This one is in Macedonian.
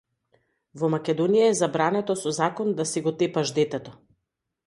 Во Македонија е забрането со закон да си го тепаш детето.